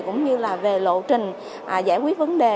cũng như là về lộ trình giải quyết vấn đề